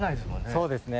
そうですね。